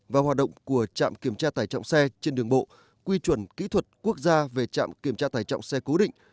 và hoạt động của trạm kiểm tra tải trọng xe trên đường bộ quy chuẩn kỹ thuật quốc gia về trạm kiểm tra tải trọng xe cố định